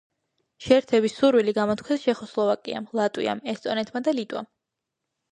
შეერთების სურვილი გამოთქვეს ჩეხოსლოვაკიამ, ლატვიამ, ესტონეთმა და ლიტვამ.